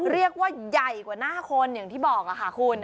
เรียกว่าใหญ่กว่าหน้าคนอย่างที่บอกค่ะคุณ